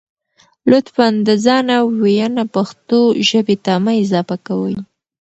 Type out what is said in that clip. لطفاً د ځانه وييونه پښتو ژبې ته مه اضافه کوئ